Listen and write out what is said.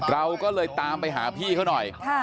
เราก็เลยตามไปหาพี่เขาหน่อย